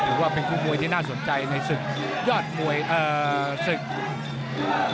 ถือว่าเป็นคู่มวยที่น่าสนใจในสถมียอดมวยสถ